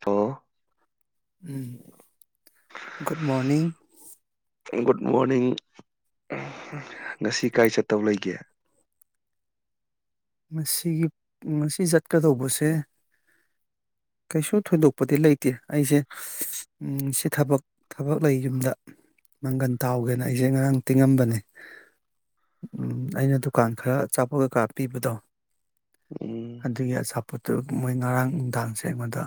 hello um good morning good morning ꯉꯁꯤ ꯀꯥꯏ ꯆꯠꯇꯧ ꯂꯩꯒꯦ ꯉꯁꯤꯒꯤ ꯉꯁꯤ ꯆꯠꯀꯗꯧꯕꯁꯦ ꯀꯩꯁꯨ ꯊꯣꯏꯗꯣꯛꯄꯗꯤ ꯂꯩꯇꯦ ꯑꯩꯁꯦ ꯎꯝ ꯁꯤ ꯊꯕꯛ ꯊꯕꯛ ꯂꯩ ꯌꯨꯝꯗ ꯃꯪꯒꯟ ꯇꯥꯎꯒꯦꯅ ꯑꯩꯁꯦ ꯉꯔꯥꯡ ꯇꯤꯡꯉꯝꯕꯅꯦ ꯎꯝ ꯑꯩꯅ ꯗꯨꯀꯥꯟ ꯈꯔ ꯑꯆꯥꯄꯣꯠ ꯀꯩꯀꯥ ꯄꯤꯕꯗꯣ ꯎꯝ ꯑꯗꯨꯒꯤ ꯑꯆꯥꯄꯣꯠꯇꯨ ꯃꯣꯏ ꯉꯔꯥꯡ ꯅꯨꯡꯗꯥꯡꯁꯦ ꯑꯩꯉꯣꯟꯗ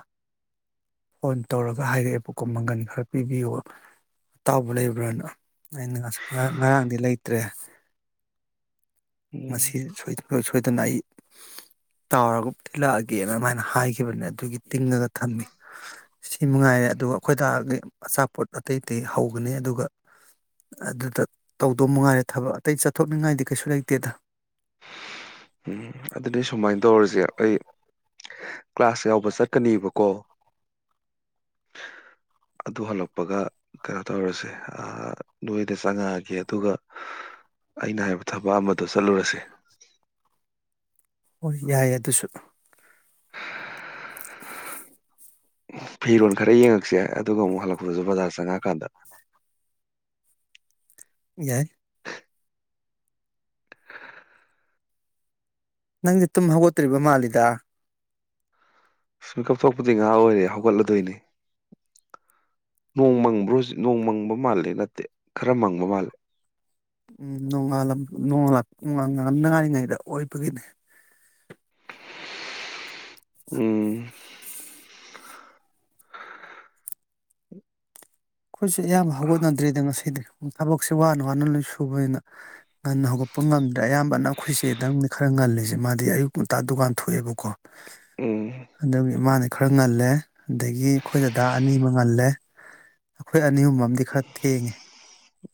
ꯐꯣꯟ ꯇꯧꯔꯒ ꯍꯥꯏꯔꯛꯑꯦꯕꯀꯣ ꯃꯪꯒꯟ ꯈꯔ ꯄꯤꯕꯤꯌꯨ ꯑꯇꯥꯎꯕ ꯂꯩꯕ꯭ꯔꯥꯅ ꯑꯩꯅ ꯉꯥꯁ- ꯉ- ꯉꯔꯥꯡꯗꯤ ꯂꯩꯇ꯭ꯔꯦ ꯎꯝ ꯉꯁꯤ ꯁꯣꯏ ꯁꯣꯏꯗꯅ ꯑꯩ ꯇꯥꯎꯔꯒ ꯊꯤꯂꯛꯑꯒꯦꯅ ꯑꯗꯨꯃꯥꯏꯅ ꯍꯥꯏꯈꯤꯕꯅꯦ ꯑꯗꯨꯒꯤ ꯇꯤꯡꯉꯒ ꯊꯝꯃꯤ ꯁꯤ ꯃꯉꯥꯏꯔꯦ ꯑꯗꯨꯒ ꯑꯩꯈꯣꯏ ꯗꯥꯗꯤ ꯑꯆꯥꯄꯣꯠ ꯑꯇꯩ ꯑꯇꯩ ꯍꯧꯕꯅꯦ ꯑꯗꯨꯒ ꯑꯗꯨꯗ ꯇꯧꯗꯧ ꯝꯉꯥꯏꯔꯦ ꯊꯕꯛ ꯑꯇꯩ ꯆꯠꯊꯣꯛꯅꯤꯡꯉꯥꯏꯗꯤ ꯀꯩꯁꯨ ꯂꯩꯇꯦꯗ ꯎꯝ ꯑꯗꯨꯗꯤ ꯁꯨꯃꯥꯏꯅ ꯇꯧꯔꯁꯦ ꯑꯩ ꯀ꯭ꯂꯥꯁ ꯌꯥꯎꯕ ꯆꯠꯀꯅꯤꯕꯀꯣ ꯑꯗꯨ ꯍꯜꯂꯛꯄꯒ ꯀꯩꯅꯣ ꯇꯧꯔꯁꯦ ꯑ ꯅꯣꯏꯗ ꯆꯪꯉꯛꯑꯒꯦ ꯑꯗꯨꯒ ꯑꯩꯅ ꯍꯥꯏꯕ ꯊꯕꯛ ꯑꯃꯗꯣ ꯆꯠꯂꯨꯔꯁꯦ ꯍꯣꯏ ꯌꯥꯏ ꯑꯗꯨꯁꯨ ꯐꯤꯔꯣꯜ ꯈꯔ ꯌꯦꯡꯉꯛꯁꯦ ꯑꯗꯨꯒ ꯑꯃꯨꯛ ꯍꯜꯂꯛꯄꯗꯁꯨ ꯕꯖꯥꯔ ꯆꯪꯉꯛꯑꯀꯥꯟꯗ ꯌꯥꯏ ꯅꯪꯗꯤ ꯇꯨꯝ ꯍꯧꯒꯠꯇ꯭ꯔꯤꯕ ꯃꯥꯜꯂꯤꯗ ꯁ ꯃꯤꯀꯞꯊꯣꯛꯄꯗꯤ ꯉꯥꯏꯍꯥꯛ ꯑꯣꯏꯔꯦ ꯍꯧꯒꯠꯂꯗꯣꯏꯅꯦ ꯅꯣꯡ ꯃꯪꯕ꯭ꯔꯣ ꯍꯧꯖꯤꯛ ꯅꯣꯡ ꯃꯪꯕ ꯃꯥꯜꯂꯦ ꯅꯠꯇꯦ ꯈꯔ ꯃꯪꯕ ꯃꯥꯜꯂꯦ ꯑꯝ ꯅꯣꯡꯉꯥꯜꯂꯝ ꯅꯣꯡꯂꯞ ꯅꯣꯡꯂꯞ ꯉꯥꯏꯗ ꯑꯣꯏꯕꯒꯤꯅꯦ ꯎꯝ ꯑꯩꯈꯣꯏꯁꯦ ꯑꯌꯥꯝꯕ ꯍꯧꯒꯠꯅꯗ꯭ꯔꯤꯗ ꯉꯁꯤꯗꯤ ꯊꯕꯛꯁꯦ ꯋꯥꯅ ꯋꯥꯅ ꯂꯣꯏ ꯁꯨꯕꯅꯤꯅ ꯉꯟꯅ ꯍꯧꯒꯠꯄ ꯉꯝꯗ꯭ꯔꯦ ꯑꯌꯥꯝꯕꯅ ꯑꯩꯈꯣꯏ ꯆꯦꯗꯪꯅꯦ ꯈꯔ ꯉꯜꯂꯤꯁꯦ ꯃꯥꯗꯤ ꯑꯌꯨꯛ ꯉꯟꯇ ꯗꯨꯀꯥꯟ ꯊꯣꯛꯑꯦꯕꯀꯣ ꯎꯝ ꯑꯗꯨꯒꯤ ꯃꯥꯅ ꯈꯔ ꯉꯜꯂꯦ ꯑꯗꯒꯤ ꯑꯩꯈꯣꯏꯗꯗꯥ ꯑꯅꯤ ꯑꯃ ꯉꯜꯂꯦ ꯑꯩꯈꯣꯏ ꯑꯅꯤ ꯑꯍꯨꯝ ꯑꯃꯗꯤ ꯈꯔ ꯊꯦꯡꯉꯦ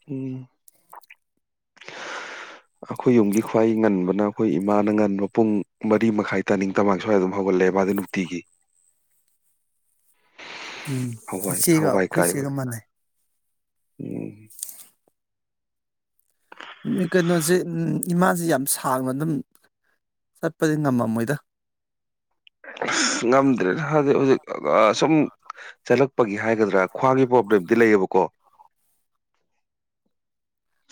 ꯎꯝ ꯑꯩꯈꯣꯏ ꯌꯨꯝꯒꯤ ꯈ꯭ꯋꯥꯏ ꯉꯟꯕꯅ ꯑꯩꯈꯣꯏ ꯏꯃꯥꯅ ꯉꯟꯕ ꯄꯨꯡ ꯃꯔꯤ ꯃꯈꯥꯏ ꯇꯥꯅꯤꯡ ꯇꯃꯥꯡ ꯁ꯭ꯋꯥꯏ ꯑꯗꯨꯝ ꯍꯧꯒꯠꯂꯦ ꯃꯥꯗꯤ ꯅꯨꯡꯇꯤꯒꯤ ꯎꯝ ꯍꯋꯥꯏ ꯏꯆꯦꯒ ꯍꯋꯥꯏ ꯑꯩꯈꯣꯏ ꯆꯦꯒ ꯀꯥꯏꯕꯒꯤ ꯃꯥꯟꯅꯩ ꯎꯝ ꯏꯃꯥꯥꯁꯨ ꯌꯥꯝ ꯁꯥꯡꯅ ꯑꯗꯨꯝ ꯆꯠꯄꯗꯤ ꯉꯝꯃꯝꯃꯣꯏꯗ ꯑꯁ ꯉꯝꯗ꯭ꯔꯦꯗ ꯍꯧꯖꯤꯛ ꯍꯧꯖꯤꯛ ꯑꯥ ꯁꯨꯝ ꯆꯠꯂꯛꯄꯒꯤ ꯍꯥꯏꯒꯗ꯭ꯔꯥ ꯈꯋ꯭ꯥꯡꯒꯤ ꯄ꯭ꯔꯣꯕ꯭ꯂꯦꯝꯗꯤ ꯂꯩꯌꯦꯕꯀꯣ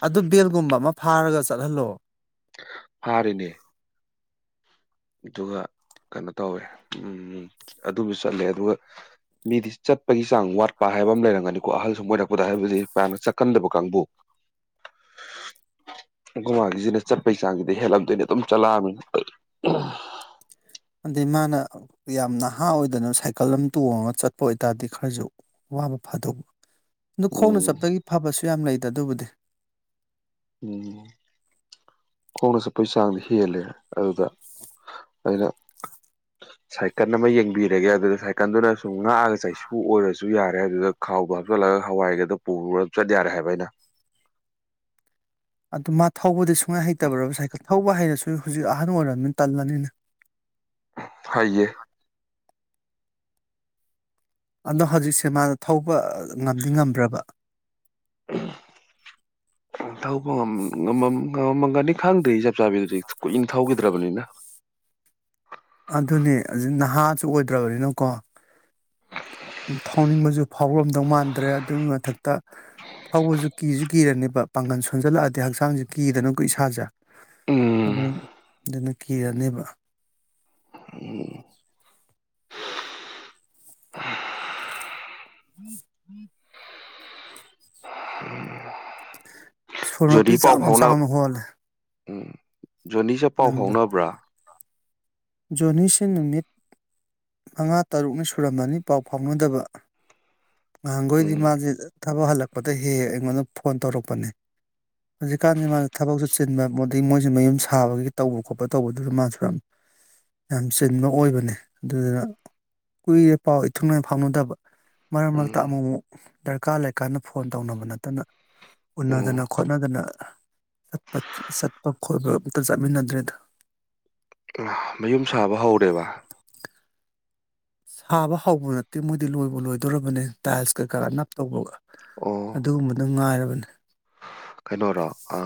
ꯑꯗꯨ ꯕꯦꯜꯒꯨꯝꯕ ꯑꯃ ꯐꯥꯔꯒ ꯆꯠꯍꯜꯂꯣ ꯐꯥꯔꯤꯅꯦ ꯑꯗꯨꯒ ꯀꯩꯅꯣ ꯇꯧꯋꯦ ꯎꯝ ꯑꯗꯨꯁꯨ ꯆꯠꯂꯦ ꯑꯗꯨꯒ ꯃꯤꯗꯤ ꯆꯠꯄꯒꯤ ꯆꯥꯡ ꯋꯥꯠꯄ ꯍꯥꯏꯕ ꯑꯃ ꯂꯩꯔꯝꯒꯅꯤꯀꯣ ꯑꯍꯜ ꯁꯨꯝ ꯑꯣꯏꯔꯛꯄꯗ ꯍꯥꯏꯕꯗꯤ ꯄꯅ ꯆꯠꯀꯟꯗꯕ ꯀꯥꯡꯕꯨ ꯑꯈꯣꯏ ꯃꯥꯒꯤꯁꯤꯅ ꯆꯠꯄꯒꯤ ꯆꯥꯡꯁꯤꯗꯤ ꯍꯦꯜꯂꯝꯗꯣꯏꯅꯤ ꯑꯗꯨꯝ ꯆꯠꯂꯛꯑꯝꯅꯤꯅ ꯑ ꯑꯗꯩ ꯃꯥꯅ ꯌꯥꯝ ꯅꯍꯥ ꯑꯣꯏꯗꯅ ꯁꯥꯏꯀꯜ ꯑꯃ ꯇꯣꯡꯉꯒ ꯆꯠꯄ ꯑꯣꯏꯇꯥꯔꯗꯤ ꯈꯔꯁꯨ ꯋꯥꯕ ꯐꯥꯗꯧꯕ ꯑꯗꯨ ꯈꯣꯡꯅ ꯎꯝ ꯆꯞꯄꯒꯤ ꯐꯕꯁꯨ ꯌꯥꯝ ꯂꯩ ꯑꯗꯨꯕꯨꯗꯤ ꯎꯝ ꯈꯣꯡꯅ ꯆꯠꯄꯒꯤ ꯆꯥꯡꯗꯤ ꯍꯦꯜꯂꯦ ꯑꯗꯨꯗ ꯑꯗꯨꯅ ꯁꯥꯏꯀꯜ ꯑꯃ ꯌꯦꯡꯕꯤꯔꯒꯦ ꯑꯗꯨꯗ ꯁꯥꯏꯀꯜꯗꯨꯅ ꯁꯨꯝ ꯉꯥꯛꯑꯒ ꯆꯩꯁꯨ ꯑꯣꯏꯔꯁꯨ ꯌꯥꯔ ꯑꯦ ꯑꯗꯨꯗ ꯈꯥꯎꯒ ꯍꯥꯞꯆꯜꯂꯒ ꯍꯋꯥꯏꯒꯗꯣ ꯄꯨꯔꯒ ꯆꯠ ꯌꯥꯔꯦ ꯍꯥꯏꯕ ꯑꯩꯅ ꯑꯗꯨ ꯃꯥ ꯊꯧꯕꯗ ꯁꯨꯝ ꯃꯣꯢ ꯍꯩꯇꯕꯔꯣꯕ ꯁꯥꯏꯀꯜ ꯊꯧꯕ ꯍꯩꯔꯁꯨ ꯍꯧꯖꯤꯛ ꯑꯍꯟ ꯑꯣꯏꯔꯕꯅꯤ ꯇꯜꯂꯅꯤꯅ ꯍꯥꯏꯖꯦ ꯑꯗꯣ ꯍꯧꯖꯤꯛꯁꯦ ꯃꯥꯅ ꯊꯧꯕ ꯉꯝꯗꯤ ꯉꯝꯕ꯭ꯔꯕ ꯊꯧꯕ ꯉꯃ ꯉꯃꯝ ꯉꯝꯃꯒꯅꯤ ꯈꯪꯗꯦ ꯆꯞ ꯆꯥꯕꯤꯗꯨꯗꯤ ꯀꯨꯏꯅ ꯊꯧꯈꯤꯗ꯭ꯔꯕꯅꯤꯅ ꯑꯗꯨꯅꯦ ꯍꯧꯖꯤꯛ ꯅꯍꯥꯁꯨ ꯑꯣꯏꯗ꯭ꯔꯕꯅꯤꯅꯀꯣ ꯊꯧꯅꯤꯡꯕꯁꯨ ꯐꯥꯎꯔꯝꯗꯧ ꯃꯥꯟꯗ꯭ꯔꯦ ꯑꯗꯨꯒꯤ ꯃꯊꯛꯇ ꯊꯧꯕꯁꯨ ꯀꯤꯁꯨ ꯀꯤꯔꯅꯦꯕ ꯄꯥꯡꯒꯜ ꯁꯣꯟꯖꯜꯂꯛꯑꯗꯤ ꯍꯛꯆꯥꯡꯁꯦ ꯀꯤꯗꯅ ꯏꯁꯥꯁꯦ ꯎꯝ ꯑꯗꯨꯅ ꯑꯗꯨꯅꯦ ꯀꯤꯔꯅꯦꯕ ꯎꯝ ꯁꯣꯔ ꯃꯄꯤ ꯖꯣꯅꯤ ꯄꯥꯎ ꯆꯥꯎꯅ ꯐꯥꯎꯅ ꯆꯥꯎꯅ ꯍꯣꯜꯂꯦ ꯎꯝ ꯖꯣꯅꯤꯁꯦ ꯄꯥꯎ ꯐꯥꯎꯅꯕ꯭ꯔꯥ ꯖꯣꯅꯤꯁꯤ ꯅꯨꯃꯤꯠ ꯃꯉꯥ ꯇꯔꯨꯛꯅꯤ ꯁꯨꯔꯝꯃꯅꯤ ꯄꯥꯎ ꯐꯥꯎꯅꯗꯕ ꯉꯍꯥꯡꯒꯣꯏꯗꯤ ꯎꯝ ꯃꯥꯁꯦ ꯊꯕꯛ ꯍꯜꯂꯛꯄꯗ ꯍꯦꯛ ꯍꯦꯛ ꯑꯩꯉꯣꯟꯗ ꯐꯣꯟ ꯇꯧꯔꯛꯄꯅꯦ ꯍꯧꯖꯤꯛꯀꯥꯟꯁꯤ ꯃꯥꯅ ꯊꯕꯛꯁꯨ ꯆꯤꯟꯕ ꯃꯗꯩ ꯃꯣꯏꯁꯨ ꯃꯌꯨꯝ ꯁꯥꯕꯒꯤ ꯇꯧꯕ ꯈꯣꯠꯄ ꯇꯧꯕꯗꯨꯗ ꯃꯥꯁꯨ ꯌꯥꯝ ꯌꯥꯝ ꯆꯤꯟꯕ ꯑꯣꯏꯕꯅꯦ ꯑꯗꯨꯗꯨꯅ ꯀꯨꯏꯔꯦ ꯄꯥꯎ ꯏꯊꯨꯡꯅꯨꯉꯥꯏ ꯐꯥꯎꯅꯗꯕ ꯃꯔꯛ ꯃꯔꯛꯇ ꯎꯝ ꯑꯃꯨꯛ ꯑꯃꯨꯛ ꯗꯔꯀꯥꯔ ꯂꯩꯀꯥꯟꯗ ꯐꯣꯟ ꯇꯧꯅꯕ ꯅꯠꯇꯅ ꯎꯝ ꯎꯅꯗꯅ ꯈꯣꯠꯅꯗꯅ ꯆꯠꯄ ꯈꯣꯏꯕ ꯑꯝꯛꯇ ꯆꯠꯃꯤꯟꯅꯗ꯭ꯔꯦꯗ ꯃꯌꯨꯝ ꯁꯥꯕ ꯍꯧꯔꯦꯕ ꯁꯥꯕ ꯍꯧꯎꯔꯗꯤ ꯃꯣꯏꯗꯤ ꯂꯣꯏꯕꯨ ꯂꯣꯏꯗꯣꯔꯕꯅꯤ ꯇꯥꯏꯜꯁ ꯀꯩꯀꯥꯒ ꯅꯞ ꯇꯧꯕꯒ ꯑꯣ ꯗ ꯉꯥꯏꯔꯕꯅꯦ ꯀꯩꯅꯣꯔꯣ ꯑ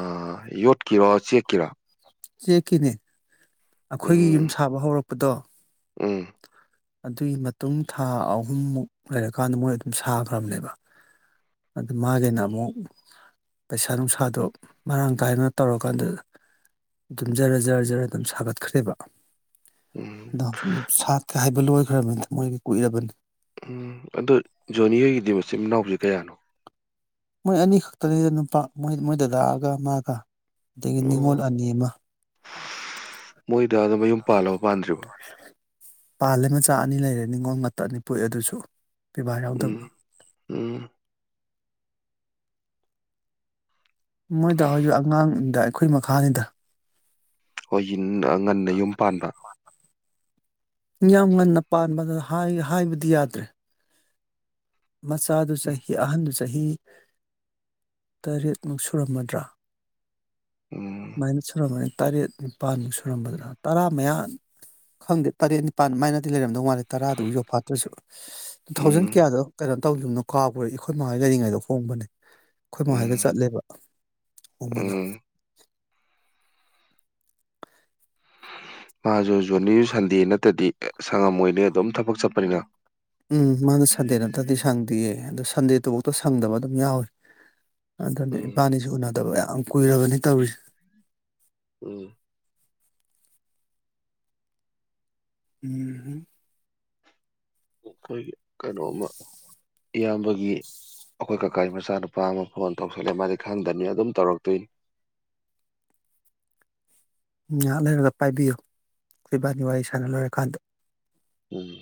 ꯌꯣꯠ ꯀꯤꯋꯥ ꯆꯦꯛ ꯀꯤꯔꯥ ꯆꯦꯛꯀꯤꯅꯦ ꯑꯩꯈꯣꯏꯒꯤ ꯌꯨꯝ ꯎꯝ ꯁꯥꯕ ꯍꯧꯔꯛ ꯑꯗꯣ ꯎꯝ ꯑꯗꯨꯒꯤ ꯃꯇꯨꯡ ꯊꯥ ꯑꯍꯨꯝꯃꯨꯛ ꯂꯩꯔꯀꯥꯟꯗ ꯃꯣꯏ ꯑꯗꯨꯝ ꯁꯥꯈ꯭ꯔꯕꯅꯦꯕ ꯑꯗꯨ ꯃꯥꯒꯤꯅ ꯑꯃꯨꯛ ꯄꯩꯁꯥ ꯅꯨꯡꯁꯥꯗꯣ ꯃꯔꯥꯡ ꯀꯥꯏꯅ ꯇꯧꯔꯀꯥꯟꯗ ꯑꯗꯨꯝ ꯖꯔ ꯖꯔ ꯖꯔ ꯑꯗꯨꯝ ꯁꯥꯒꯠꯈ꯭ꯔꯦꯕ ꯎꯝ ꯗꯥꯎꯁꯨ ꯗꯨꯝ ꯁꯥꯠ ꯍꯥꯢꯕ ꯂꯣꯏꯈ꯭ꯔꯕꯅꯦ ꯃꯣꯏꯒꯤ ꯀꯨꯏꯔꯕꯅꯤ ꯎꯝ ꯑꯗꯣ ꯖꯣꯅꯤ ꯍꯣꯏꯒꯤꯗꯤ ꯃꯆꯤꯟ ꯃꯅꯥꯎꯁꯦ ꯀꯌꯥꯅꯣ ꯃꯣꯏ ꯑꯅꯤ ꯈꯛꯇꯅꯤꯗ ꯅꯨꯄꯥ ꯃꯣꯏ ꯃꯣꯏ ꯗꯗꯥꯥꯒ ꯃꯥꯒ ꯑꯗꯒꯤ ꯑꯣ ꯅꯤꯉꯣꯜ ꯑꯅꯤ ꯑꯃ ꯃꯣꯏꯗ ꯗꯨ ꯃꯌꯨꯝ ꯄꯥꯂꯣ ꯄꯥꯟꯗ꯭ꯔꯤꯕꯣ ꯄꯥꯜꯂꯦ ꯃꯆꯥ ꯑꯅꯤ ꯂꯩꯔꯦ ꯅꯤꯉꯣꯜ ꯃꯇ ꯑꯅꯤ ꯄꯣꯛꯉꯦ ꯑꯗꯨꯁꯨ ꯄꯤꯕꯥ ꯌꯥꯎꯗꯕ ꯎꯝ ꯎꯝ ꯃꯣꯏꯗ ꯍꯣꯏꯁꯨ ꯑꯉꯥꯡꯅꯤꯗ ꯑꯩꯈꯣꯏ ꯃꯈꯥꯅꯤꯗ ꯍꯣꯏ ꯌꯨꯝꯗ ꯑꯉꯟꯅ ꯌꯨꯝ ꯄꯥꯟꯕ ꯌꯥꯝ ꯉꯟꯅ ꯄꯥꯟꯕꯗ ꯍꯥꯢ ꯍꯥꯏꯕꯗꯤ ꯌꯥꯗ꯭ꯔꯦ ꯃꯆꯥꯗꯨ ꯆꯥꯍꯤ ꯑꯍꯟꯗꯨ ꯆꯍꯤ ꯆꯍꯤ ꯇꯔꯦꯠꯃꯨꯛ ꯁꯨꯔꯝꯃꯗ꯭ꯔꯥ ꯎꯝ ꯃꯥꯏꯅ ꯁꯨꯔꯝꯃꯅꯤ ꯇꯔꯦꯠ ꯅꯤꯄꯥꯟꯃꯨꯛ ꯁꯨꯔꯝꯃꯗ꯭ꯔꯥ ꯇꯔꯥ ꯃꯌꯥ ꯈꯪꯗꯦ ꯇꯔꯦꯠ ꯅꯤꯄꯥꯥꯟ ꯃꯥꯏꯅꯗꯤ ꯂꯩꯔꯝꯗꯧ ꯃꯥꯂꯦ ꯇꯔꯥꯗꯨ ꯌꯧꯐꯥꯠꯇ꯭ꯔꯁꯨ ꯇꯨ ꯊꯥꯎꯖꯟ ꯎꯝ ꯀꯌꯥꯗ ꯀꯩꯅꯣ ꯇꯧꯒꯤꯕꯅꯣ ꯀꯥꯎꯔꯦ ꯑꯩꯈꯣꯏ ꯃꯥꯍꯣꯏ ꯂꯩꯔꯤꯉꯩꯗ ꯍꯣꯡꯕꯅꯦ ꯑꯩꯈꯣꯏ ꯃꯍꯣꯏꯒ ꯎꯝ ꯆꯠꯂꯦꯕ ꯂꯨꯍꯣꯡꯕꯗꯣ ꯎꯝ ꯃꯥꯁꯨ ꯖꯣꯅꯤ ꯁꯟꯗꯦ ꯅꯠꯇꯗꯤ ꯁꯪꯉꯝꯣꯏꯅꯤ ꯑꯗꯨꯝ ꯊꯕꯛ ꯆꯠꯄꯅꯤꯅ ꯎꯝ ꯃꯥꯅ ꯁꯥꯟꯗꯦ ꯅꯠꯇꯗꯤ ꯁꯥꯡꯗꯤꯌꯦ ꯑꯗꯣ ꯁꯟꯗꯦꯗꯨꯐꯥꯎꯗ ꯁꯪꯗꯕ ꯑꯗꯨꯝ ꯌꯥꯎꯋꯤ ꯑꯗꯨꯅꯦ ꯎꯝ ꯏꯄꯥꯅꯤꯁꯨ ꯎꯅꯗꯕ ꯌꯥꯝ ꯀꯨꯏꯔꯕꯅꯤ ꯇꯧꯔꯤꯁꯦ ꯎꯝ ꯎꯝꯍꯝ ꯑꯩꯈꯣꯏꯒꯤ ꯀꯩꯅꯣꯃ ꯏꯌꯥꯝꯕꯒꯤ ꯑꯩꯈꯣꯏ ꯀꯀꯥꯒꯤ ꯃꯆꯥꯅꯨꯄꯥ ꯑꯃ ꯐꯣꯟ ꯇꯧꯁꯜꯂꯦ ꯃꯥꯗꯤ ꯈꯪꯗꯝꯅꯤꯅ ꯑꯗꯨꯝ ꯇꯧꯔꯛꯇꯣꯏꯅꯤ ꯎ ꯉꯩꯍꯥꯛꯂꯩꯔꯒ ꯄꯥꯏꯕꯤꯌꯨ ꯏꯕꯥꯅꯤ ꯋꯥꯔꯤ ꯁꯥꯟꯅ ꯂꯣꯏꯔꯀꯥꯟꯗ ꯎꯝ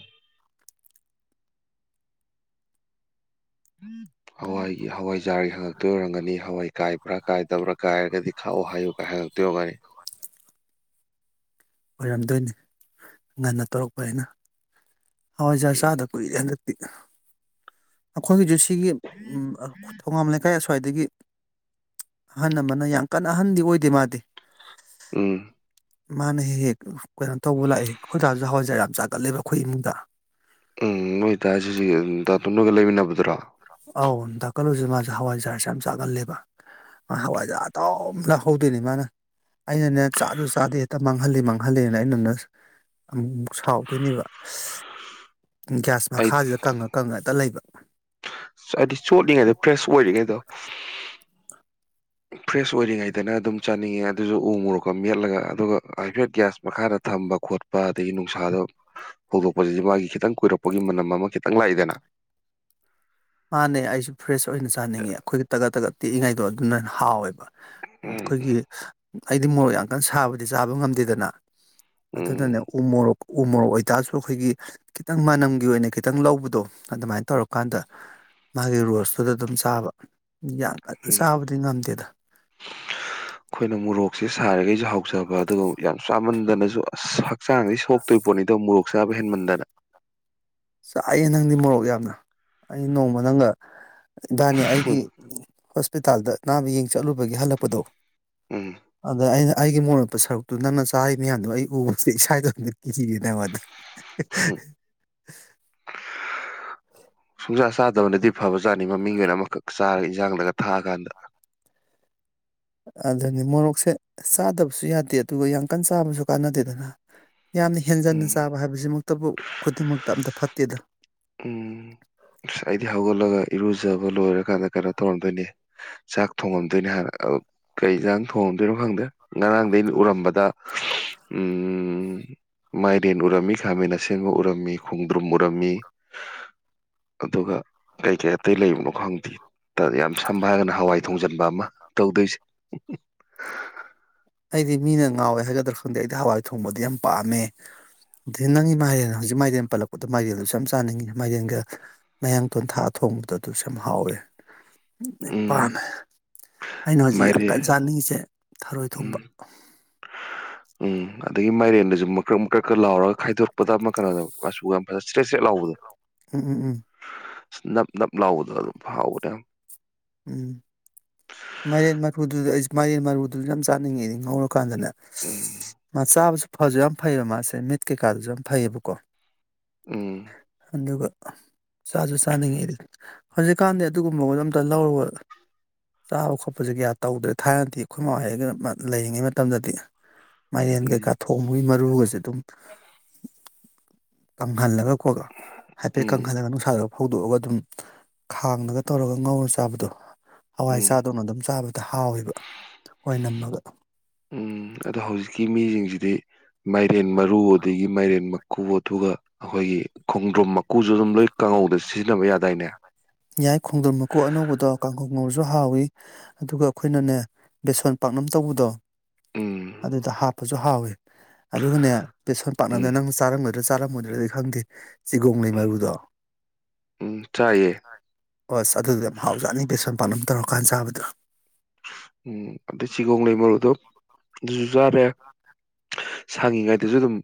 ꯍꯋꯥꯏꯒꯤ ꯍꯋꯥꯏꯖꯥꯔꯒꯤ ꯍꯪꯉꯛꯇꯣꯏ ꯑꯣꯏꯔꯝꯒꯅꯤ ꯍꯋꯥꯏ ꯀꯥꯏꯕ꯭ꯔꯥ ꯀꯥꯏꯗꯕ꯭ꯔꯥ ꯀꯥꯏꯔꯒꯗꯤ ꯈꯥꯛꯎ ꯍꯥꯏꯌꯨꯒꯥꯏ ꯍꯪꯉꯛꯇꯣꯏ ꯑꯣꯔꯒꯅꯤ ꯑꯣꯏꯔꯝꯗꯣꯏꯅꯤ ꯉꯟꯅ ꯇꯧꯔꯛꯄꯅꯤꯅ ꯍꯋꯥꯏꯖꯥꯔ ꯎꯝ ꯆꯥꯗ ꯀꯨꯏꯔꯦꯗ ꯈ ꯑꯈꯣꯏꯒꯤꯁꯨ ꯁꯤꯒꯤ ꯎꯝ ꯑ ꯊꯣꯒꯥꯝ ꯂꯩꯀꯥꯏ ꯈ꯭ꯋꯥꯏꯗꯒꯤ ꯑꯍꯟ ꯑꯃꯅ ꯌꯥꯝ ꯀꯟꯅ ꯑꯍꯟꯗꯤ ꯑꯣꯏꯗꯦ ꯃꯥꯗꯤ ꯎꯝ ꯃꯥꯅ ꯍꯦꯛ ꯍꯦꯛ ꯀꯩꯅꯣ ꯇꯧꯕ ꯂꯥꯛꯑꯦ ꯑꯈꯣꯏ ꯗꯥꯁꯨ ꯍꯋꯥꯏꯖꯥꯔ ꯌꯥꯝ ꯆꯥꯒꯜꯂꯦꯕ ꯑꯩꯈꯣꯏ ꯏꯃꯨꯡꯗ ꯎꯝ ꯅꯣꯏ ꯗꯥꯁꯤ ꯗꯥꯇꯨꯝꯒ ꯂꯩꯃꯤꯟꯅꯕ ꯨꯇ꯭ꯔꯥ ꯑꯧ ꯗꯥ ꯀꯜꯂꯨꯁꯦ ꯃꯥꯁꯦ ꯍꯋꯥꯏꯖꯥꯔꯁꯦ ꯌꯥꯝ ꯆꯥꯒꯜꯂꯦꯕ ꯃꯥ ꯍꯋꯥꯏꯖꯥꯔ ꯑꯗꯨꯎ ꯂꯧꯍꯧꯗꯣꯏꯅꯦ ꯃꯥꯅ ꯑꯩꯅꯅꯦ ꯆꯥꯁꯨ ꯆꯥꯗꯦ ꯍꯦꯛꯇ ꯃꯥꯡꯍꯜꯂꯦ ꯃꯥꯡꯍꯜꯂꯦꯅ ꯑꯩꯅꯅꯦ ꯑꯃꯨꯃꯨꯛ ꯁꯥꯎꯗꯣꯏꯅꯦꯕ ꯒ꯭ꯌꯥꯁ ꯑꯩ ꯃꯈꯥꯁꯤꯗ ꯀꯪꯉ ꯀꯪꯉ ꯍꯦꯛꯇ ꯂꯩꯕ ꯍꯥꯏꯗꯤ ꯆꯣꯠꯂꯤꯉꯩꯗ ꯐ꯭ꯔꯦꯁ ꯑꯣꯏꯔꯤꯉꯩꯗꯣ ꯐ꯭ꯔꯦꯁ ꯑꯣꯏꯔꯤꯉꯩꯗꯅꯦ ꯑꯗꯨꯝ ꯆꯥꯅꯤꯡꯉꯦ ꯑꯗꯨꯁꯨ ꯎ ꯃꯨꯔꯣꯛꯀ ꯃꯦꯠꯂꯒ ꯑꯗꯨꯒ ꯍꯥꯏꯐꯦꯠ ꯒ꯭ꯌꯥꯁ ꯃꯈꯥꯗ ꯊꯝꯕ ꯈꯣꯠꯄ ꯑꯗꯒꯤ ꯅꯨꯡꯁꯥꯗ ꯐꯣꯗꯣꯛꯄꯁꯤꯁꯨ ꯃꯥꯒꯤ ꯈꯤꯇꯪ ꯀꯨꯏꯔꯛꯄꯒꯤ ꯃꯅꯝ ꯑꯃ ꯈꯤꯇꯪ ꯂꯥꯛꯏꯗꯅ ꯃꯥꯅꯦ ꯑꯩꯁꯨ ꯐ꯭ꯔꯦꯁ ꯑꯣꯏꯅ ꯆꯥꯅꯤꯡꯉꯦ ꯑꯩꯈꯣꯏꯒꯤ ꯇꯒꯠ ꯇꯒꯠ ꯇꯦꯛꯏꯉꯩꯗꯣ ꯑꯗꯨꯅ ꯍꯥꯎꯋꯦꯕ ꯎꯝ ꯑꯩꯈꯣꯏꯒꯤ ꯑꯩꯗꯤ ꯃꯣꯔꯣꯛ ꯌꯥꯝ ꯀꯟ ꯁꯥꯕꯗꯤ ꯆꯥꯕ ꯉꯝꯗꯦꯗꯅ ꯎꯝ ꯑꯗꯨꯅꯅꯦ ꯎ ꯃꯨꯔꯣꯛ ꯎꯃꯣꯔꯣꯛ ꯑꯣꯏꯇꯥꯔꯁꯨ ꯑꯩꯈꯣꯏꯒꯤ ꯈꯤꯇꯪ ꯃꯅꯝꯒꯤ ꯑꯣꯏꯅ ꯈꯤꯇꯪ ꯂꯧꯕꯗꯣ ꯑꯗꯨꯃꯥꯏ ꯇꯧꯔꯀꯥꯟꯗ ꯃꯥꯒꯤ ꯔꯣꯁꯇꯨꯗ ꯑꯗꯨꯝ ꯆꯥꯕ ꯌꯥꯝ ꯀꯟꯅ ꯎꯝ ꯆꯥꯕꯗꯤ ꯉꯝꯗꯦꯗ ꯁꯦ ꯁꯥꯔꯤꯒꯩꯁꯨ ꯍꯥꯎꯖꯕ ꯑꯗꯨꯒ ꯌꯥꯝ ꯆꯥꯃꯟꯗꯅꯁꯨ ꯑꯁ ꯍꯛ ꯍꯛꯆꯥꯡꯗꯤ ꯁꯣꯛꯇꯣꯏꯄꯣꯠꯅꯤꯗ ꯃꯣꯔꯣꯛ ꯆꯥꯕ ꯍꯦꯟꯃꯟꯗꯅ ꯆꯥꯏꯑꯦ ꯅꯪꯗꯤ ꯃꯣꯔꯣꯛ ꯌꯥꯝꯅ ꯑꯩ ꯅꯣꯡꯃ ꯅꯪꯒ ꯏꯕꯥꯅꯤ ꯑꯩꯒꯤ ꯍꯣꯁꯄꯤꯇꯥꯜꯗ ꯑꯅꯥꯕ ꯌꯦꯡ ꯆꯠꯂꯨꯕꯒꯤ ꯍꯜꯂꯛꯄꯗꯣ ꯎꯝ ꯑꯗ ꯑꯩꯅ ꯑꯩꯒꯤ ꯃꯣꯔꯣꯃꯦꯠꯄ ꯁꯔꯨꯛꯇꯣ ꯅꯪꯅ ꯆꯥꯔꯤꯕ ꯃꯌꯥꯝꯗꯣ ꯑꯩ ꯎꯕꯗ ꯏꯁꯥ ꯏꯇꯣꯝꯇ ꯀꯤꯖꯩ ꯅꯝꯗꯨ ꯍꯤꯛ ꯍꯥ ꯎꯝ ꯆꯆꯥ ꯆꯥꯗꯕꯅꯗꯤ ꯐꯕꯖꯥꯠꯅꯤ ꯃꯃꯤꯡꯒꯤ ꯑꯣꯏꯅ ꯑꯃꯈꯛ ꯆꯥꯔꯒ ꯏꯟꯖꯥꯡꯗꯒ ꯊꯥꯛꯑꯀꯥꯟꯗ ꯑꯗꯨꯅꯤ ꯃꯣꯔꯣꯛꯁꯦ ꯆꯥꯗꯕꯁꯨ ꯌꯥꯗꯦ ꯑꯗꯨꯒ ꯌꯥꯝ ꯀꯟꯅ ꯆꯥꯕꯁꯨ ꯀꯥꯟꯅꯗꯦꯗꯅ ꯌꯥꯝꯅ ꯍꯦꯟꯖꯟꯅ ꯎꯝ ꯆꯥꯕ ꯍꯥꯏꯕꯁꯤꯃꯛꯇꯕꯨ ꯈꯨꯗꯤꯡꯃꯛꯇ ꯑꯝꯇ ꯐꯠꯇꯦꯗ ꯎꯝ ꯑꯁ ꯑꯩꯗꯤ ꯍꯧꯒꯠꯂꯒ ꯏꯔꯨꯖꯕ ꯂꯣꯏꯔꯀꯥꯟꯗ ꯀꯩꯅꯣ ꯇꯧꯔꯝꯗꯣꯏꯅꯤ ꯆꯥꯛ ꯊꯣꯡꯉꯝꯗꯣꯏꯅꯤ ꯍꯥꯟꯅ ꯀꯩ ꯑꯦꯟꯖꯥꯡ ꯊꯣꯡꯉꯝꯗꯣꯏꯅꯣ ꯈꯪꯗꯦ ꯉꯔꯥꯡꯗꯒꯤ ꯎꯔꯝꯕ ꯗ ꯎꯝ ꯎ ꯃꯥꯏꯔꯦꯟ ꯎꯔꯝꯃꯤ ꯈꯥꯃꯦꯟ ꯑꯁꯤꯟꯕ ꯎꯔꯝꯃꯤ ꯈꯣꯡꯗ꯭ꯔꯨꯝ ꯎꯔꯝꯃꯤ ꯑꯗꯨꯒ ꯀꯩꯀꯩ ꯑꯇꯩ ꯂꯩꯕꯅꯣ ꯈꯪꯗꯦ ꯇ ꯌꯥꯝ ꯁꯕ ꯍꯥꯏꯔꯒꯅ ꯍꯋꯥꯏ ꯊꯣꯡꯖꯟꯕ ꯑꯃ ꯇꯧꯗꯣꯏꯁꯦ ꯑꯩꯗꯤ ꯃꯤꯅ ꯉꯥꯎꯋꯦ ꯍꯥꯏꯒꯗ꯭ꯔꯥ ꯈꯪꯗꯦ ꯑꯩꯗꯤ ꯍꯋꯥꯏ ꯊꯣꯡꯕꯗꯤ ꯌꯥꯝ ꯄꯥꯝꯃꯦ ꯑꯗꯩ ꯅꯒꯤ ꯃꯥꯏꯔꯦꯟ ꯍꯧꯖꯤꯛ ꯃꯥꯏꯔꯦꯟ ꯄꯜꯂꯛꯄꯗ ꯃꯥꯏꯔꯦꯟꯗꯨꯁꯨ ꯌꯥꯝ ꯆꯥꯅꯤꯡꯏꯤ ꯃꯥꯏꯔꯦꯟꯒ ꯃꯌꯥꯡꯇꯣꯟ ꯊꯥꯛ ꯑ ꯊꯣꯡꯕꯗ ꯑꯗꯨꯁꯨ ꯌꯥꯝ ꯍꯥꯎꯋꯦ ꯎꯝ ꯄꯥꯝꯃꯦ ꯑꯩꯅ ꯍꯧꯖꯤꯛ ꯌꯥꯝ ꯀꯟꯅ ꯃꯥꯏꯔꯦꯟ ꯆꯥꯅꯤꯡꯉꯤꯁꯦ ꯊꯔꯣꯏ ꯊꯣꯡꯕ ꯎꯝ ꯎꯝ ꯑꯗꯒꯤ ꯃꯥꯏꯔꯦꯟꯗꯁꯨ ꯃꯀ꯭ꯔꯛ ꯃꯀ꯭ꯔꯛꯀ ꯂꯥꯎꯔꯒ ꯈꯥꯏꯗꯣꯔꯛꯄꯗ ꯑꯃ ꯀꯩꯅꯣꯗ ꯃꯆꯨꯒ ꯌꯥꯝ ꯐꯖꯅ ꯆꯔꯦꯠ ꯆꯔꯦꯠ ꯂꯥꯎꯕꯗꯣ ꯎꯝ ꯎꯝ ꯎꯝ ꯑ ꯅꯞ ꯅꯞ ꯂꯥꯎꯕꯗ ꯑꯗꯨꯝ ꯍꯥꯎꯕꯅꯦ ꯎꯝ ꯃꯥꯏꯔꯦꯟ ꯃꯔꯨꯗꯨꯗ ꯑꯩ ꯃꯥꯏꯔꯦꯟ ꯃꯔꯨꯗꯨꯁꯨ ꯌꯥꯝ ꯆꯥꯅꯤꯡꯉꯤꯗꯤ ꯉꯧꯔꯛꯄ ꯀꯥꯟꯗꯅꯦ ꯎꯝ ꯃꯥ ꯆꯥꯕꯁꯨ ꯐꯁꯨ ꯌꯥꯝ ꯐꯩꯑꯕ ꯃꯥꯁꯦ ꯃꯤꯠ ꯀꯩꯀꯥꯗꯨꯁꯨ ꯌꯥꯝ ꯐꯩꯌꯦꯕꯀꯣ ꯎꯝ ꯑꯗꯨꯒ ꯆꯥꯁꯨ ꯆꯥꯅꯤꯡꯉꯤꯗꯤ ꯍꯧꯖꯤꯛꯀꯥꯟꯗꯤ ꯑꯗꯨꯒꯨꯝꯕꯗꯣ ꯑꯝ ꯇ ꯂꯧꯔꯒ ꯆꯥꯕ ꯈꯣꯠꯄꯁꯦ ꯀꯌꯥ ꯇꯧꯗ꯭ꯔꯦ ꯊꯥꯏꯅꯗꯤ ꯑꯩꯈꯣꯏ ꯃꯒ ꯂꯩꯔꯤꯉꯩ ꯃꯇꯝꯗꯗꯤ ꯃꯥꯏꯔꯦꯟ ꯀꯩꯀꯥ ꯎꯝ ꯊꯣꯡꯕꯨꯒꯤ ꯃꯔꯨꯒꯁꯦ ꯑꯗꯨꯝ ꯀꯪꯍꯜꯂꯒ ꯈꯣꯛꯑꯒ ꯍꯥꯏꯐꯦꯠ ꯎꯝ ꯀꯪꯍꯜꯂꯒ ꯅꯨꯡꯁꯥꯗ ꯍꯧꯗꯣꯛꯑꯒ ꯑꯗꯨꯝ ꯈꯥꯡꯗꯒ ꯇꯧꯔꯒ ꯉꯧꯔꯁꯨ ꯆꯥꯕꯗꯣ ꯍꯋꯥꯏ ꯎꯝ ꯆꯥꯗꯧꯅ ꯑꯗꯨꯝ ꯆꯥꯕꯗ ꯍꯥꯎꯋꯦꯕ ꯍꯣꯏ ꯅꯝꯃꯒ ꯀꯤꯗꯤ ꯃꯩ ꯍꯊꯦꯟ ꯃꯔꯨ ꯑꯗꯒꯤ ꯃꯥꯏꯔꯦꯟ ꯃ ꯀꯕꯣꯊꯨꯒ ꯑꯩꯈꯣꯏꯒꯤ ꯈꯣꯡꯗ꯭ꯔꯣꯝ ꯃꯀꯨꯁꯨ ꯑꯗꯨꯝ ꯂꯣꯏ ꯀꯥꯡꯉꯧꯗ ꯁꯤꯖꯤꯟꯅꯕ ꯌꯥꯗꯥꯏꯅꯦ ꯌꯥꯏ ꯈꯣꯡꯗ꯭ꯔꯝ ꯃꯀꯨ ꯑꯅꯧꯕꯗꯣ ꯀꯥꯡꯍꯧ ꯉꯧꯔꯁꯨ ꯍꯥꯎꯏ ꯑꯗꯨꯒ ꯑꯩꯈꯣꯏꯅꯅꯦ ꯕꯦꯁꯣꯟ ꯄꯥꯛꯅꯝ ꯇꯧꯕꯗꯣ ꯎꯝ ꯑꯗꯨꯗ ꯍꯥꯞꯄꯁꯨ ꯍꯥꯎꯏꯤ ꯑꯗꯨꯒꯅꯦ ꯕꯁꯣꯟ ꯎꯝ ꯄꯥꯛꯅꯝꯗ ꯅꯪ ꯆꯥꯔꯝꯒꯅꯤ ꯆꯥꯔꯝꯃꯣꯏꯗ꯭ꯔꯗꯤ ꯈꯪꯗꯦ ꯆꯤꯒꯣꯡ ꯂꯩꯩ ꯃꯔꯨꯗꯣ ꯎꯝ ꯆꯥꯏꯌꯦ ꯍꯣꯏ ꯑꯁ ꯑꯗꯨꯗꯤ ꯌꯥꯝ ꯍꯥꯎꯖꯥꯅꯤ ꯕꯦꯁꯣꯟ ꯄꯥꯛꯅꯝ ꯇꯧꯔꯀꯥꯟ ꯆꯥꯕꯗ꯭ꯔꯥ ꯎꯝ ꯁꯪꯡꯉꯤꯉꯩꯗꯁꯨ ꯑꯗꯨꯝ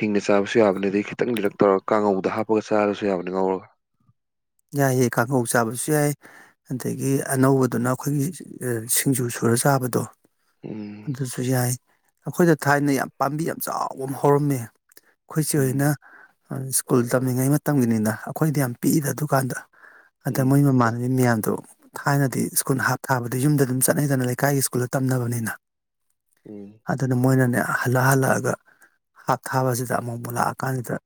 ꯍꯤꯡꯅ ꯆꯥꯕꯁꯨ ꯌꯥꯕꯅꯤꯗꯤ ꯈꯤꯇꯪ ꯂꯤꯔꯛ ꯇꯧꯔꯒ ꯀꯥꯡꯉꯧꯗ ꯍꯥꯞ ꯑꯗꯨꯒ ꯆꯥꯔꯁꯨ ꯌꯥꯕꯅꯤ ꯉꯧꯔꯒ ꯌꯥꯏꯑꯦ ꯀꯥꯡꯉꯧ ꯆꯥꯕꯁꯨ ꯌꯥꯏ ꯑꯗꯒꯤ ꯑꯅꯧꯕꯗꯨꯅ ꯑꯩꯈꯣꯏꯒꯤ ꯑ ꯁꯤꯡꯖꯨ ꯁꯨꯔ ꯆꯥꯕꯗꯣ ꯎꯝ ꯑꯗꯨꯁꯨ ꯌꯥꯏ ꯑꯩꯈꯣꯏꯗ ꯊꯥꯏꯅ ꯌꯥꯝ ꯄꯥꯝꯕꯤ ꯌꯥꯝ ꯆꯥꯎꯕ ꯑꯃ ꯍꯧꯔꯝꯃꯦ ꯑꯩꯈꯣꯏꯆꯦ ꯍꯣꯏꯅ ꯎꯝ ꯑ ꯁ꯭ꯀꯨꯜ ꯇꯝꯂꯤꯉꯩ ꯃꯇꯝꯒꯤꯅꯤꯗ ꯑꯩꯈꯣꯏꯗꯤ ꯌꯥꯝ ꯄꯤꯛꯏꯗ ꯑꯗꯨ ꯨꯀꯥꯟꯗ ꯑꯗ ꯃꯣꯏ ꯎꯝ ꯃꯃꯥꯟꯅꯕꯤ ꯃꯌꯥꯝꯗꯣ ꯊꯥꯏꯅꯗꯤ ꯁ꯭ꯀꯨꯜ ꯍꯥꯞ ꯊꯥꯕꯗ ꯌꯨꯝꯗ ꯑꯗꯨꯝ ꯆꯠꯅꯩꯗꯅ ꯂꯩꯀꯥꯏꯒꯤ ꯁ꯭ꯀꯨꯜꯗ ꯇꯝꯅꯕꯅꯤꯅ ꯎꯝ ꯑꯗꯨꯅ ꯃꯣꯏꯅꯅꯦ ꯍꯜꯂꯛ ꯍꯜꯂꯛꯑꯒ ꯍꯥꯞ ꯊꯥꯕꯁꯤꯗ ꯑꯃꯨꯛ ꯃꯨꯛ ꯂꯥꯛꯑ ꯀꯥꯟꯁꯤꯗ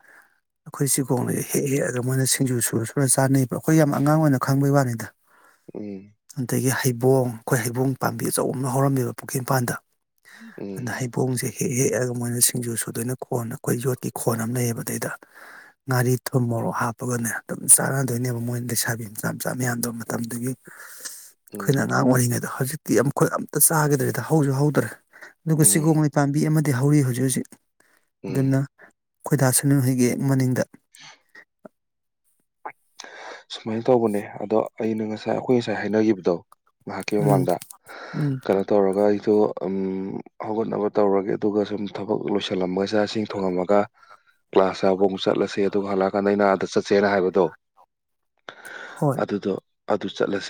ꯑꯩꯈꯣꯏ ꯁꯤꯒꯣꯡꯂꯩ ꯍꯦꯛ ꯍꯦꯛꯑꯒ ꯃꯣꯏꯅ ꯁꯤꯡꯖꯨ ꯁꯨꯔ ꯔꯥ ꯆꯥꯅꯩꯕ ꯑꯩꯈꯣꯏ ꯌꯥꯝ ꯑꯉꯥꯡ ꯑꯣꯏꯅ ꯈꯪꯕꯩ ꯋꯥꯅꯤꯗ ꯎꯝ ꯑꯗꯒꯤ ꯍꯩ ꯕꯣꯡ ꯑꯩꯈꯣꯏ ꯍꯩꯕꯣꯡ ꯄꯥꯝꯕꯤ ꯑꯆꯧꯕ ꯑꯃ ꯍꯧꯔꯝꯃꯦꯕ ꯄꯨꯈ꯭ꯔꯤ ꯃꯄꯥꯟꯗ ꯎꯝ ꯍꯦ ꯍꯦꯛꯑꯒ ꯃꯣꯏꯅ ꯁꯤꯡꯖꯨ ꯁꯨꯗꯣꯏꯅ ꯈꯣꯟꯅ ꯑꯩꯈꯣꯏ ꯌꯣꯠꯀꯤ ꯈꯣꯟ ꯑꯝ ꯂꯩꯌꯦꯕ ꯑꯗꯩꯗ ꯉꯥꯔꯤ ꯊꯨꯝ ꯃꯣꯔꯣꯛ ꯍꯥꯞꯄꯒꯅꯦ ꯆꯥꯟꯅꯗꯣꯏꯅꯦꯕ ꯃꯣꯏ ꯂꯩꯁꯥꯕꯤ ꯃꯆꯥ ꯃꯆꯥ ꯃꯌꯥꯝꯗꯣ ꯃꯇꯝꯗꯨꯒꯤ ꯎꯝ ꯑꯩꯈꯣꯏꯅ ꯑꯥꯉꯥꯡ ꯑꯣꯏꯔꯤꯉꯩ ꯍꯧꯖꯤꯛꯇꯤ ꯑꯝꯈꯣꯏ ꯑꯝꯇ ꯆꯥꯒꯤꯗ꯭ꯔꯦꯗ ꯍꯧꯁꯨ ꯍꯧꯗ꯭ꯔꯦ ꯑꯗꯨꯒ ꯎꯝ ꯆꯤꯒꯣꯡꯅꯩ ꯄꯥꯝꯕꯤ ꯑꯃ ꯇꯤ ꯍꯧꯔꯤ ꯍꯧꯖꯤꯛ ꯍꯧꯖꯤꯛ ꯎꯝ ꯑꯗꯨꯅ ꯈꯣꯏꯗꯁꯨꯅꯨ ꯍꯣꯏꯒꯤ ꯍꯦꯛ ꯃꯅꯤꯡꯗ [inaudible] ꯁꯨꯃꯥꯏ ꯇꯧꯕꯅꯦ ꯑꯗꯣ ꯑꯩꯅ ꯉꯁꯥꯏ ꯑꯩꯈꯣꯏ ꯉꯁꯥꯏ ꯍꯥꯏꯅꯈꯤꯕꯗꯣ ꯉꯥꯏꯍꯥꯛꯀꯤ ꯎꯝ ꯃꯃꯥꯡꯗ ꯎꯝ ꯀꯩꯅꯣ ꯇꯧꯔꯒ ꯑꯩꯗꯨ ꯑꯝ ꯍꯧꯒꯠꯅꯕ ꯇꯧꯔꯒꯦ ꯑꯗꯨꯒ ꯁꯨꯝ ꯊꯕꯛ ꯂꯣꯏꯁꯜꯂꯝꯃꯒ ꯆꯥꯛ ꯏꯁꯤꯡ ꯊꯣꯡꯉꯝꯃꯒ ꯀ꯭ꯂꯥꯁ ꯌꯥꯎꯕ ꯑꯃꯨꯛ ꯆꯠꯂꯁꯦ ꯑꯗꯨꯒ ꯍꯜꯂꯛꯑꯀꯥꯟꯗ ꯑꯩꯅ ꯑꯥꯗ ꯆꯠꯁꯦꯅ ꯍꯥꯏꯕ ꯗꯣ ꯍꯣꯏ ꯑꯗꯨꯗꯣ ꯑꯗꯨ ꯆꯠꯂꯁꯤ